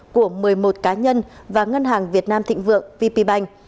của một mươi một cá nhân và ngân hàng việt nam thịnh vượng vp bank